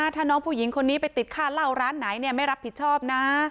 ถ้าน้องผู้หญิงคนนี้ไปติดค่าเหล้าร้านไหนไม่รับผิดชอบนะ